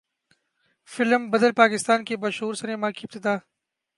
film بدل پاکستان کے باشعور سینما کی ابتدا